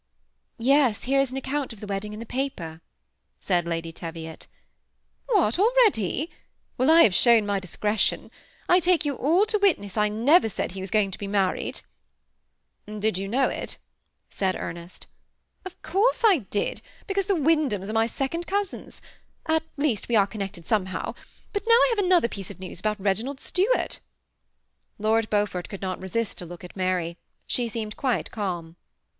"Yes, here is an account of the wedding in the paper," said Lady Teviot THE SEMI ATTACHED COUPLE. 127 " What, already ! Well, I have shown my discretion. I take 70U all to witness I never said he was going to be married ?"" Did you know it ?" said Ernest. " Of course I did, because the Wyndhams are my second cousins, — at least, we are connected somehow ; but now I have another piece of news about Reginald Stuart" Lord Beaufort could not resist a look at Mary. She seemed quite calm.